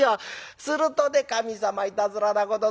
するとね神様いたずらなことするね。